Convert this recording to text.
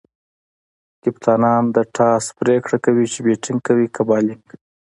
کپتانان د ټاس پرېکړه کوي، چي بيټینګ کوي؛ که بالینګ.